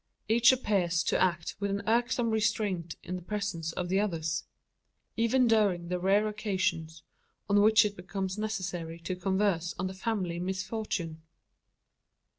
Each appears to act with an irksome restraint in the presence of the others even during the rare occasions, on which it becomes necessary to converse on the family misfortune!